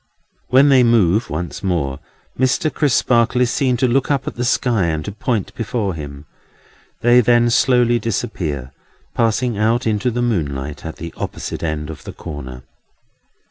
When they move once more, Mr. Crisparkle is seen to look up at the sky, and to point before him. They then slowly disappear; passing out into the moonlight at the opposite end of the Corner.